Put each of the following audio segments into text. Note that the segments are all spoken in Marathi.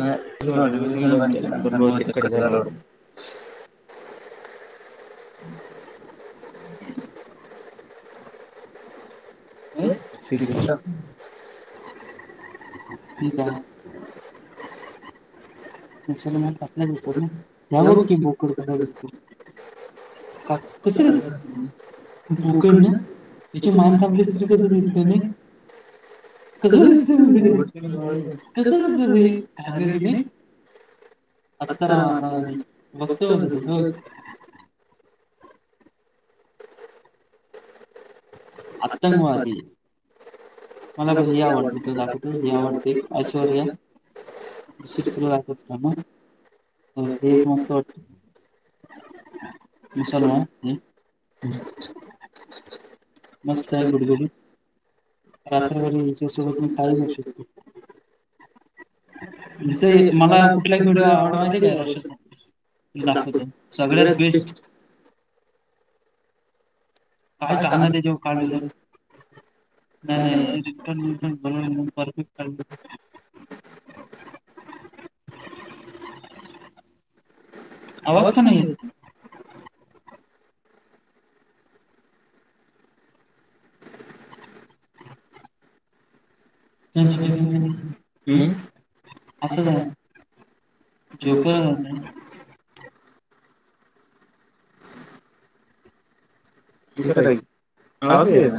म नोटफिकेशन बंद केल तर बहुतेक कट झाला वाटतं. [unintelligible] व्हय सिद्ध ठीक हाय ‌. [unintelligible] बोकड ना. त्याच्या मानिसर कस दिसतय नाही कस दिसतं ते कसं दिसत तेआघाडी नाही. [unintelligible] आतंकवादी मला प ही आवडते तुला दाखवतो ही आवडते ऐश्वर्या. [unintelligible] मुसलमान ह. मस्त आहे गुड गुडी रात्रा बर मी इच्या सोबत मी कााईम अस शकतो इचे मला कुठल्याही व्हिडिओ आवडवायचे च नाही दाखव सगळ्यात बेस्ट काय काण त्याच्याव उकडलेल नाही नाही परफे [inaudible] आवाज का नाही येतो असंच आहे जो का ते तर आहे आवज का येइना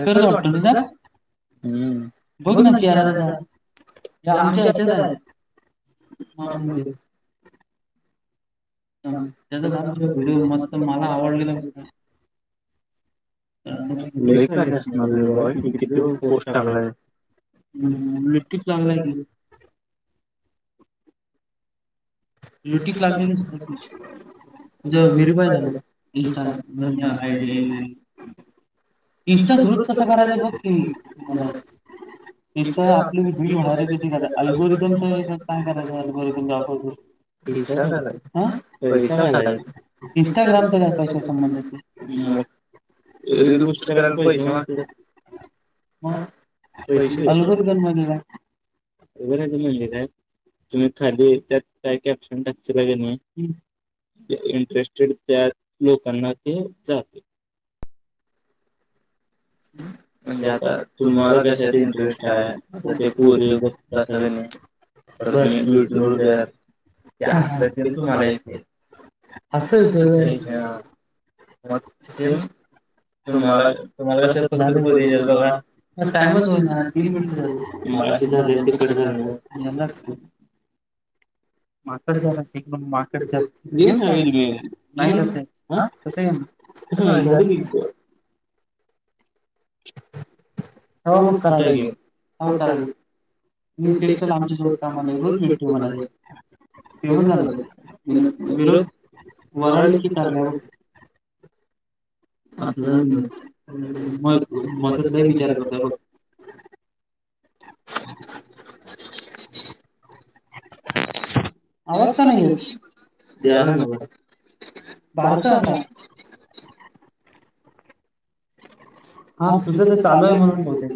हे तरवाटत तुझ हम् बघ ना चेहरा तेजा या आमच्या हेच्यात हायत त्याचामचा व्हिडिओ मस्त मला आवडलेला व्हिडिओ लय खाली आसनार हाय व्हिडिओ हाय की किती वेळ पोस्ट तेन हम् मीटीच चालाय की लुटीत लागलेली हेज विरभय झाल इन्स्टा ला इस्टा ग्रुट कसा करायचा बघ की मलाच इ आपली भ वहेर त्याची कराय अल्बोरिथमचा काय करायचं अल्बोरिथमच्या बा पैसा घालाय हा पैसा घालाय इनस्टाग्रामचा काय पैश्याचा संमध चोतोय रील पैशे मागतेत मग पैशेच आहेत शीदीरच मंदिर हाय त्यात खाली त्यात काय का गे ना इंटरेस्टेड त्या लोकांना ते जाते हम् तेआता तुम्हाला कशात इंटरेस्ट आहे पोरी बघातस बर ते असत ते तेन तुम्हाला येथ हसायचं सिम मला तुम्हाला सेप मधे बघा टाइमच होई ना तीन मिनटं झाले मलाशी झाले ते कट झाले झाल आसत माकड जात असे एकदम माकड जात कस येनार कस झाली झाली की एन्क्वायरी हो हो भेट तुम्हाला आहे ठवण झाला त विरोध वराळी कारवर आता मग म तच का विचार करत बघ आवाज का नाही ऐत येयलाय मला बारचा हजार हा तुझ ते चालू आहे म्हणून बहते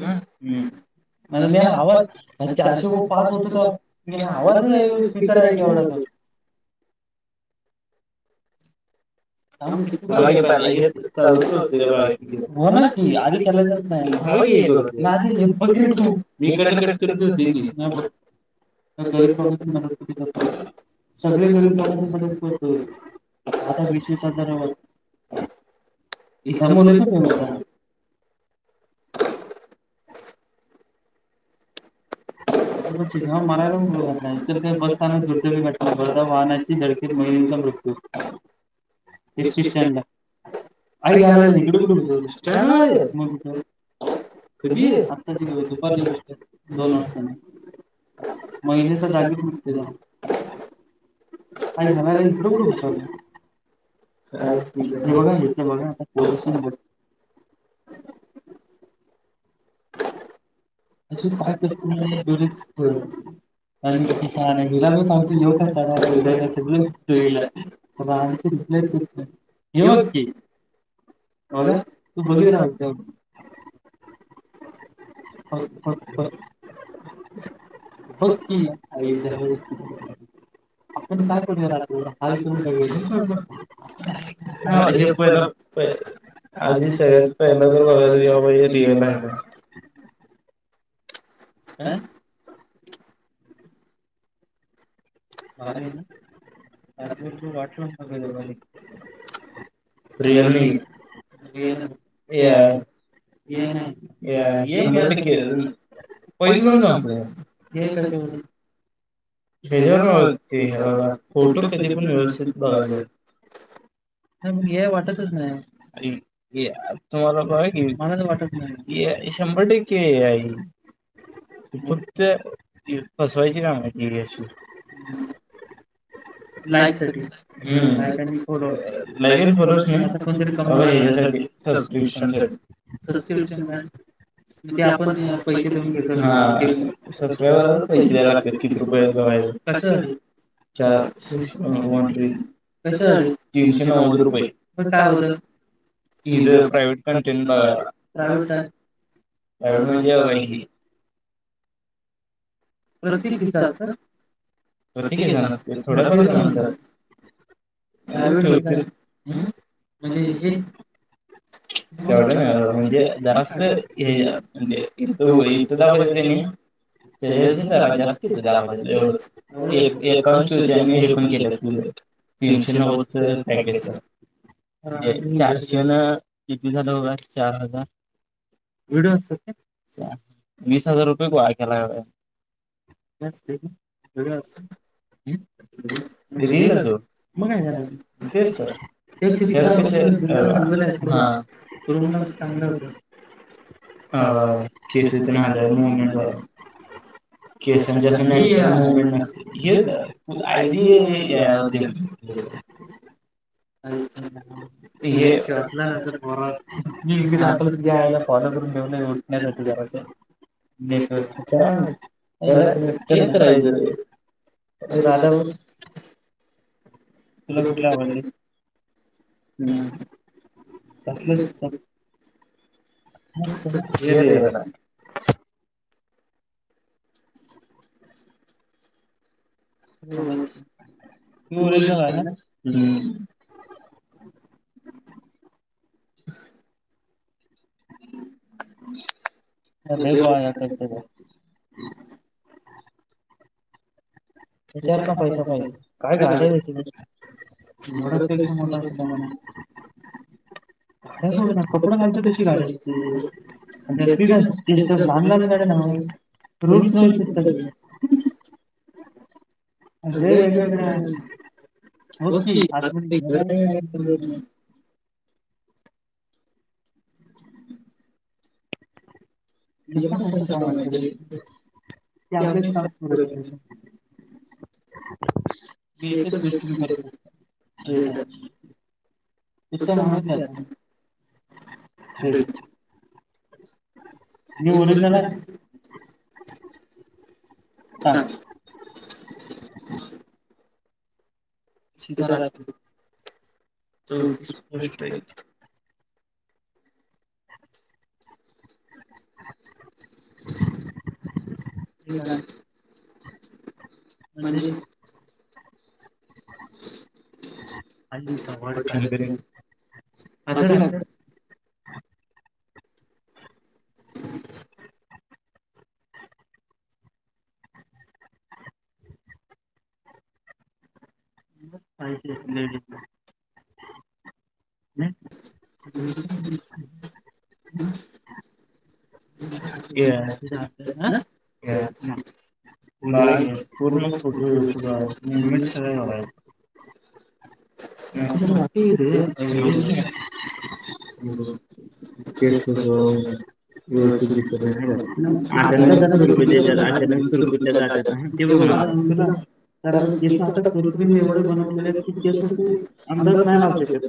म मीला आवाज चारशे पाच होतो तर मी आवाज स्पीकर आहे क एवढा त काचा होणार की आधी लाय चाल नाही बग रे तु मी इकडल कट करीत होय की गरीब भाग मत क ज सगळे गरीब लकोना मदत करते आता विशेष अचछा धन्यवाद इथ मुलेच कोमचा ेवमारयला बसाना दुर्दवी घटला ब वाहनाची हडकत मैली मृत्यू [unintelligible] एसटी स्टॅड ला आई घालाला तिकडं कुठेच स्ट मध्ये मग तिथ हो आत्ताची ग दुपारची गोष्ट दोन वाजतानी महिलेचा जागीच निक्तेचा अई नला का कड कठ मच का बघा घचय बघा आता असं काय तर तुम्ही बरच आणि क छान आहे हिला पण सांगतो एो काा चारडायला सगळलाचं नाही हेवत की बघा तू बघित रा चच होच हो आपण काय करूया रातू हाल करून कर हा हे पय ना प [inaudible] आधी सगळ्यात पहिलं तर बघायला जेव्हा म्हहिजे रिवेल आहे ना आं बर आहे ना आ वाटलं सगळ रियलमी र नाहीड पैस लून सांगत एक क असत त्याच्या बघा फोटो कधी पण व्यवस्थित बघायच. मग हे वाटतच नाही तुम्हाला क मना वाटत नाही शंभर टकई तत फसवायची काग ठीक अशी [unintelligible] लाईकसाठी ह लाक बलच नाही कोणतरी्यासाठी सबस्क्रिप्शन साठी सबस्क्रिप्शनसाठी ते आपण पैसे देऊन सबस्क्राईबर पैसे द्यायला लागतात किती रुपयेवाय अच् अच्छा न ट कसं तीनशे नव्वद रुपये काय होतं इ ज एवढ म्हणज ह प्रत्येकीच असत प्रत्येकीचा न असते थोड्या पैसाांच असत [inaudible] तेवढं ना म्हणजे जराच हे म्हणजे इथ इथं दाखवतेत का नाही [unintelligible] रा जास्त होत दाखवत एवढंच होतेनी हे पण केलं तिथ तीशे नवदच एक घेेत चारशे ना किती झालं बघ चार हजार वीड वीस हजार रुपये क केला घ नला सर मग [inaudible] ह कर चांगलं होत अ केसेत न मट झा केसांच्यामेंट नसते हेच आयडि जन [inaudible] हे शवतला ना तररगी दाखलं तेयला फत ून ठेवलं उठण्या जाते जराच नेट काय तर आहे राधव तुला कुठली आवडली हम् कसलंच र च त ओरिजनल आहे ना अ भेगो आ करत का त्याचार का पैसा पाहिज काय गाड्या व्याचे बडपेक्षा मोठा अस म्ह ग होत ना कपडा घालत बेशीी गाढची असली ना ते बकडे ना प्रूर्त नयसत अ मेन ओके ए पैसा कमा त्या कार बेतच भेट तुम्ही करू शता सेट आहे गुस्सा माता हेरला सां श तर चौतीसष्ट हो का म्हजे पासून ना लं हम् ह या नाही पूर्ण कुठेचक आहे नियमित सग आहेत मट चेष्ट हो वव दिकरकात अचानक सुुरकुतल्या जातात ते बघणा ह सां ना कारण केस आता पृथ्वीने एवढे बनवलेले की केस अंदाज नाहीन आवशेत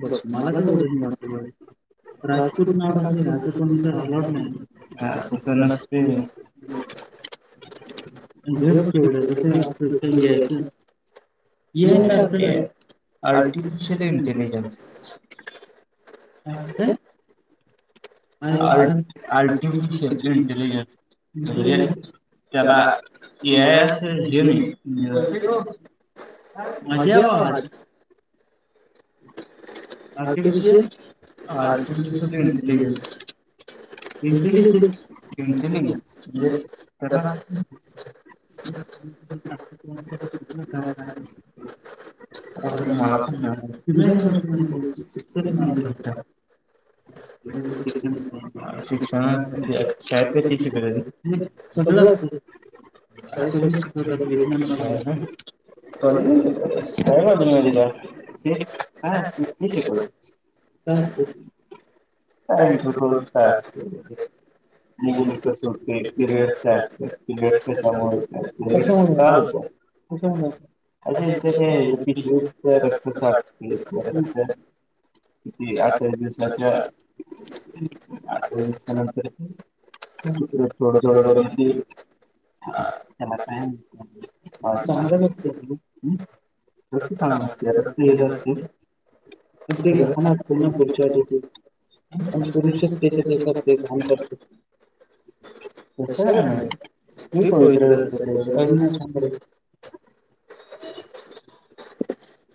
बघ मला काही बला वाटत राजपूत नाडली आं कोणी तर अलड नाही ह तस नसते [inaudible] घर तेवढ तस आजत यायचं याच अर्थ आर्टिफिशयल ये टिन जम्स अ का हथध त्याला या अस घेन मजा आवाज आ ते विषय विषय इंटलेजन्स. इंटेलिजन्स म्हणजे सगळ मलाच [inaudible] [inaudible] शिक्षणात मंजे कायपण जरी शिकलं तरी सगळं असतय [inaudible] सगळी सुविधा [inaudible] कॉलेज मध्ये गेलता. शान झालाय माझं बाळ [inaudible] काय असतं ते शेअर करूया. काय असतं काय इंटरक्लोज तयारच केलय ते मुले कस होतेय पिरियडस काय असतय पिरयडस कशामुळे होतय पिरयड्स का होतय कशामुळ होतय. अरे त्यांच्या काय पिशवीतल रक्त किती अठ्ठावीस दिवसाच अठ्ठावीस दिवसा नंतर ते काय नाही थोड थोड परत ते हा त्याला काय म्हणत्यात. चागलं नसतय रे ते वृत्ती चांगली नसत्या. पण ते पुढच्या [inaudible] पुरुष करू शकतोय का ते काम [inaudible] तस काय नाही स्त्री पवित्रच असत्या त्याच काय काम [inaudible]